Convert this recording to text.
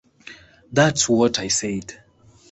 That's what I said!